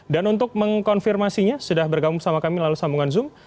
dan untuk mengkonfirmasinya sudah bergabung sama kami lalu sambungan zoom